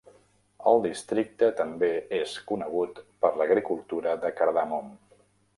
El districte també és conegut per l'agricultura de cardamom.